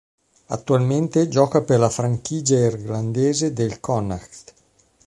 Attualmente gioca per la franchigia irlandese del Connacht.